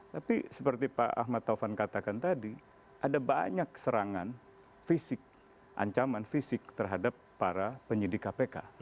tapi seperti pak ahmad taufan katakan tadi ada banyak serangan fisik ancaman fisik terhadap para penyidik kpk